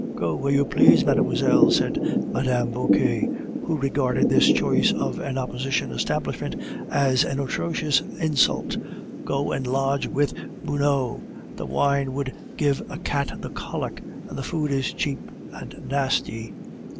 "Go where you please, mademoiselle," said Mme. Vauquer, who regarded this choice of an opposition establishment as an atrocious insult. "Go and lodge with the Buneaud; the wine would give a cat the colic, and the food is cheap and nasty."